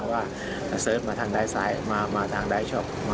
ว่าเสิร์ชมาทางไดท์ซ้ายมาทางไดท์ช็อป